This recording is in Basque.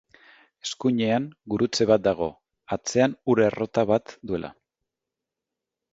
Eskuinean, gurutze bat dago, atzean ur-errota bat duela.